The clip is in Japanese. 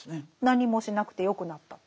何もしなくてよくなった。